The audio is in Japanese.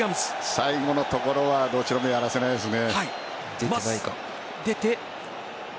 最後のところはどちらもやらせないですね。